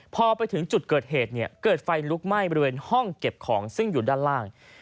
พอไปถึงจุดเกิดเหตุเนี่ยเกิดไฟลุกไหม้บริเวณห้องเก็บของซึ่งอยู่ด้านล่าง